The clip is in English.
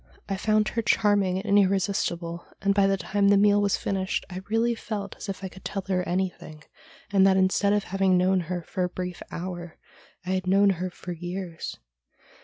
I found hex charming and irresistible, and by the time the meal was finished I really felt as if I could tell her anything, and that, instead of having known her for a brief hour, I had known her for years.